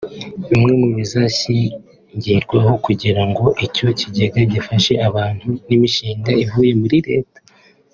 Bimwe mu bizashingirwaho kugira ngo icyo kigega gifashe abantu n’imishinga ivuye muri Leta